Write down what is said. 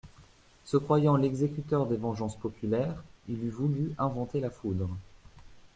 Se croyant l'exécuteur des vengeances populaires il eût voulu inventer la foudre.